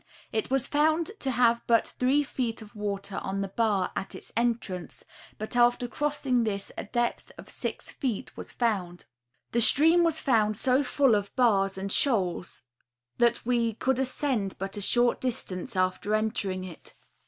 It was found to have but three feet of water on the bar at its entrance, but after crossing this a depth of six feet was found. The stream was found so full of bars and shoals that we could ascend but a short distance after entering it.